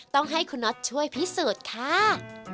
ต้องให้คุณน็อตช่วยพิสูจน์ค่ะ